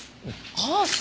ああそう。